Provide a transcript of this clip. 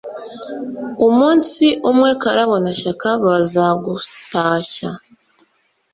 umunsi umwe, karabo na shaka baza gutashya,